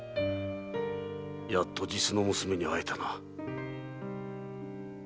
やっと実の娘に会えたな。